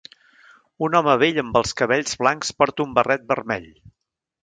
Un home vell amb els cabells blancs porta un barret vermell